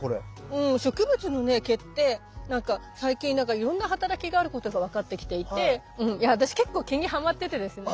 うん植物の毛って最近いろんな働きがあることが分かってきていて私結構毛にハマっててですね。